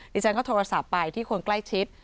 ดิฉันก็โทรศัพท์ไปที่คนใกล้ชิด